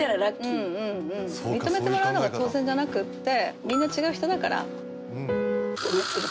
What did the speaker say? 認めてもらうのが当然じゃなくってみんな違う人だから。